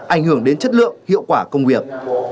ảnh hưởng đến chất lượng hiệu quả công việc